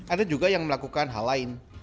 ada juga yang melakukan hal lain